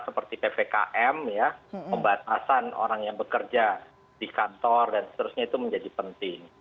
seperti ppkm ya pembatasan orang yang bekerja di kantor dan seterusnya itu menjadi penting